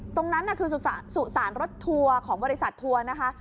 ตรงนั้นคือสุสานรถทัวร์ของบริษัททัวร์นะคะ